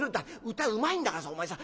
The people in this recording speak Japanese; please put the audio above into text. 歌うまいんだからさお前さ。